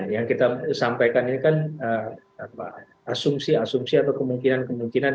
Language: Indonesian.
yang kita sampaikan ini kan asumsi asumsi atau kemungkinan kemungkinan